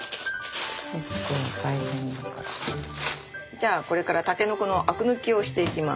じゃあこれからたけのこのアク抜きをしていきます。